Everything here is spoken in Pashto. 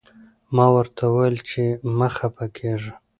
ما ورته وویل چې مه خفه کېږه.